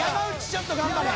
ちょっと頑張れ。